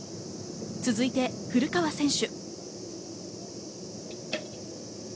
続いて古川選手。